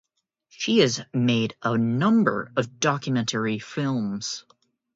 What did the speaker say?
She has made a number of documentary films.